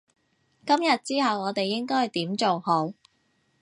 今日之後我哋應該點做好？